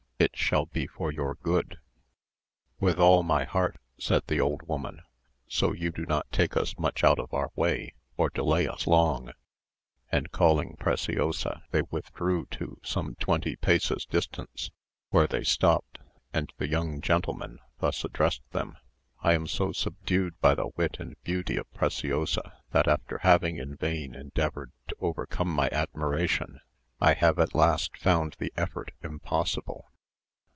It shall be for your good." "With all my heart," said the old woman, "so you do not take us much out of our way, or delay us long;" and calling Preciosa, they withdrew to some twenty paces distance, where they stopped, and the young gentleman thus addressed them: "I am so subdued by the wit and beauty of Preciosa, that after having in vain endeavoured to overcome my admiration, I have at last found the effort impossible.